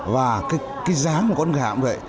và cái dáng của con gà cũng vậy